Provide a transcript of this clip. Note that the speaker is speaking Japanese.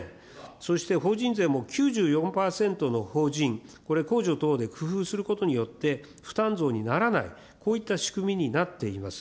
そして、法人税も９４％の法人、これ、控除等で工夫することによって、負担増にならない、こういった仕組みになっています。